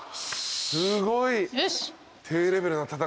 すごい。